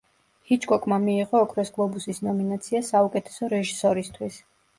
ჰიჩკოკმა მიიღო ოქროს გლობუსის ნომინაცია საუკეთესო რეჟისორისთვის.